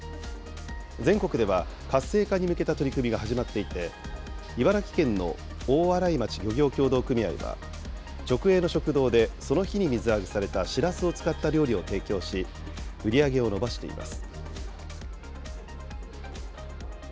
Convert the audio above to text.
全国では活性化に向けた取り組みが始まっていて、茨城県の大洗町漁業協同組合は直営の食堂でその日に水揚げされたしらすを使った料理を提供し、売り上げを伸ばしています。